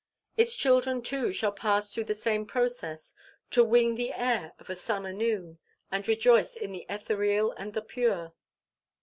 Its children too shall pass through the same process, to wing the air of a summer noon, and rejoice in the ethereal and the pure.